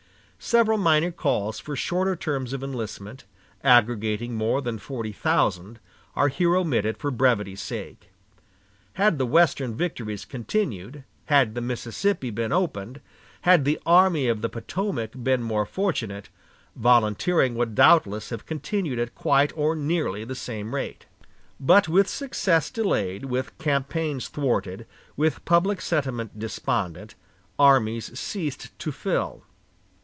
Several minor calls for shorter terms of enlistment, aggregating more than forty thousand, are here omitted for brevity's sake. Had the Western victories continued, had the Mississippi been opened, had the Army of the Potomac been more fortunate, volunteering would doubtless have continued at quite or nearly the same rate. But with success delayed, with campaigns thwarted, with public sentiment despondent, armies ceased to fill.